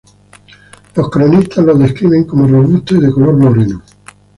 Los cronistas los describen como robustos y de color moreno.